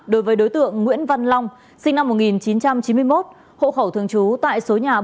đối với đối tượng nguyễn văn long sinh năm một nghìn chín trăm chín mươi một hộ khẩu thường trú tại số nhà